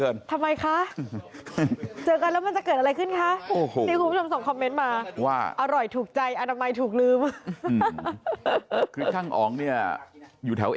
คุณทั้งสองคนนั่นแหละหมายถึงผู้สื่อข่าวของเรา